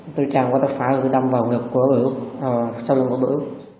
tôi chàng qua ta phải đâm vào ngực của bữa sau đó bữa bữa